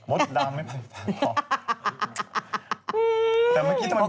หมดนั้นไม่ไปฝากท้อง